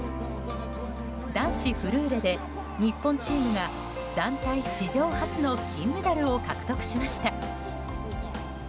男子フルーレで日本チームが団体史上初の金メダルを獲得しました。